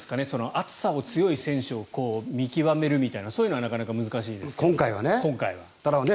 暑さに強い選手を見極めるみたいなそういうのはなかなか難しいですか今回は。今回はね。